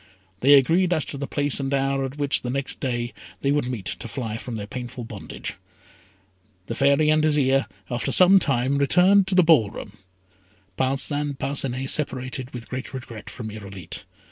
They agreed as to the place and hour at which, the next day, they would meet, to fly from their painful bondage. The Fairy and Azire, after some time, returned to the ball room. Parcin Parcinet separated with regret from Irolite.